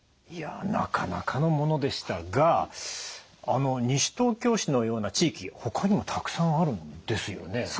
いやなかなかのものでしたが西東京市のような地域ほかにもたくさんあるんですよね。